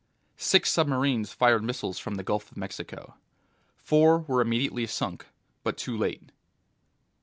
Six submarines fired missiles from the Gulf of Mexico. Four were immediately sunk, but too late.